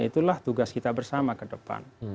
itulah tugas kita bersama ke depan